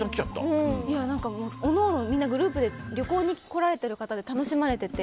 各々、みんなグループで旅行に来られてる方で楽しまれてて。